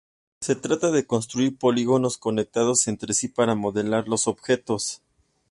Se trata de construir polígonos conectados entre sí para modelar los objetos.